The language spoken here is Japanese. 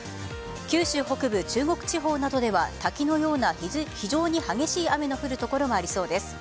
九州北部、中国地方などでは滝のような非常に激しい雨の降る所がありそうです。